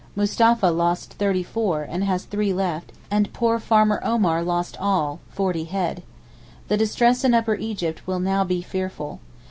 Mustapha lost thirty four, and has three left; and poor farmer Omar lost all—forty head. The distress in Upper Egypt will now be fearful.